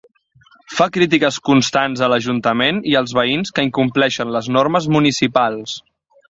Fa crítiques constants a l'ajuntament i als veïns que incompleixen les normes municipals.